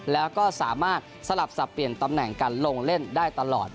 แล้วก็สามารถสลับสับเปลี่ยนตำแหน่งกันลงเล่นได้ตลอด